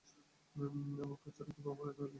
এমন খচ্চরে কীভাবে পরিণত হলি?